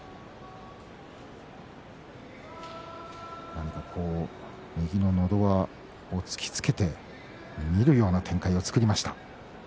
何かこう右ののど輪を突きつけて見るような展開を作りました。